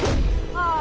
ああ。